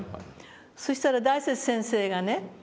そしたら大拙先生がね